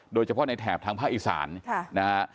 โดยเฉพาะในแถบทางภาคอีสานนะฮะ